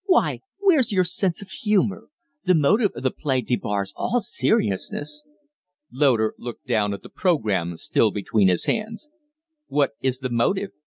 "Why, where's your sense of humor? The motive of the play debars all seriousness." Loder looked down at the programme still between his hands. "What is the motive?"